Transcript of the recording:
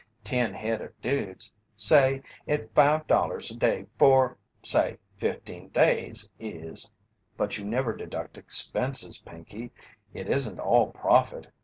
Ten head of dudes say at $5.00 a day for say fifteen days is " "But you never deduct expenses, Pinkey. It isn't all profit.